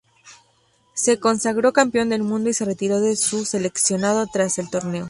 Se consagró campeón del Mundo y se retiró de su seleccionado tras el torneo.